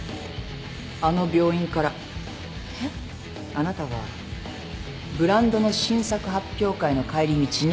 あなたはブランドの新作発表会の帰り道に襲われた。